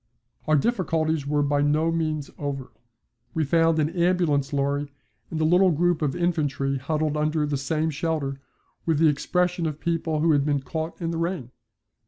Our difficulties were by no means over. We found an ambulance lorry and a little group of infantry huddled under the same shelter with the expression of people who had been caught in the rain.